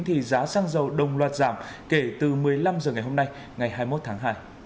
thì giá xăng dầu đồng loạt giảm kể từ một mươi năm h ngày hôm nay ngày hai mươi một tháng hai